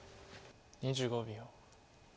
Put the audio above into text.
２５秒。